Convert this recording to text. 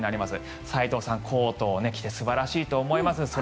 斎藤さん、コートを着てすばらしいと思います。